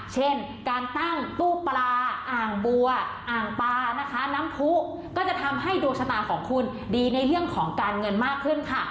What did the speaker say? เช่นการตั้งตู้ปลาอ่างบัวอ่างปลานะคะน้ำผู้ก็จะทำให้ดวงชะตาของคุณดีในเรื่องของการเงินมากขึ้นค่ะ